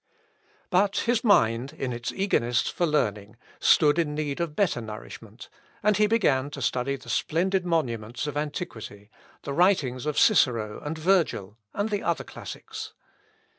But his mind, in its eagerness for learning, stood in need of better nourishment, and he began to study the splendid monuments of antiquity, the writings of Cicero and Virgil, and the other classics.